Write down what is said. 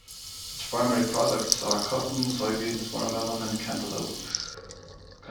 Its primary products are cotton, soybeans, watermelon and cantaloupe.